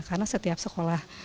karena setiap sekolah